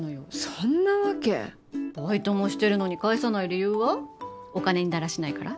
そんなわけバイトもしてるのに返さない理由はお金にだらしないから？